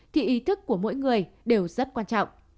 thì ý thức của mỗi người đều rất quan trọng